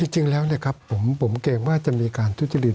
จริงแล้วผมเกรงว่าจะมีการทุจริต